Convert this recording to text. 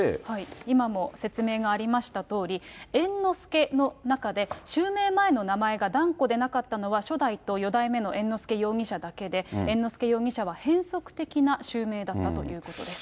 今も説明がありましたとおり、猿之助の中で、襲名前の名前が團子でなかったのは初代と四代目の猿之助容疑者だけで、猿之助容疑者は変則的な襲名だったということです。